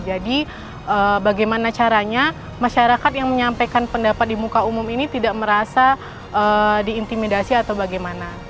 jadi bagaimana caranya masyarakat yang menyampaikan pendapat di muka umum ini tidak merasa diintimidasi atau bagaimana